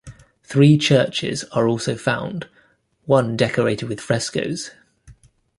Three churches are also found, one decorated with frescoes.